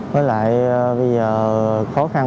với lại bây giờ khó khăn